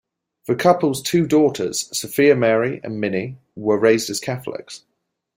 The couple's two daughters, Sophia Mary and Minnie, were raised as Catholics.